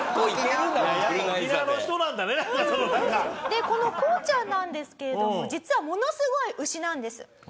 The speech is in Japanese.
でこのこうちゃんなんですけれども実はものすごい牛なんです。